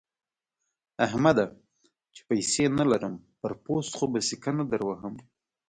احمده! چې پيسې نه لرم؛ پر پوست خو به سکه نه دروهم.